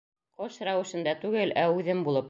Ҡош рәүешендә түгел, ә үҙем булып.